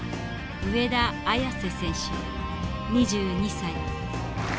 上田綺世選手２２歳。